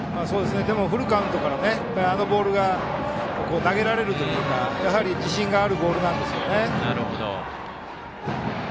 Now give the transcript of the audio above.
でも、フルカウントからあのボールが投げられるというのはやはり自信のあるボールですね。